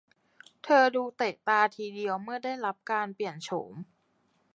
เธอดูเตะตาทีเดียวเมื่อได้รับการเปลี่ยนโฉม